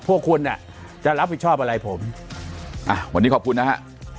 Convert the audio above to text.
พวกคุณอ่ะจะรับผิดชอบอะไรผมอ่ะวันนี้ขอบคุณนะฮะ